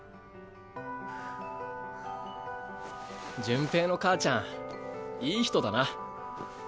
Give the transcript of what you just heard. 順平の母ちゃんいい人だな。